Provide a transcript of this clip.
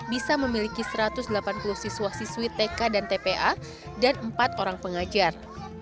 bisa memiliki satu ratus delapan puluh siswa siswi tk dan tpa dan empat orang pengajar